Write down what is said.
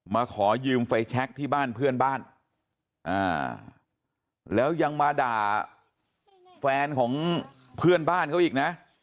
มาขอยืมไฟแชคที่บ้านเพื่อนบ้านแล้วยังมาด่าแฟนของเพื่อนบ้านเขาอีกนะ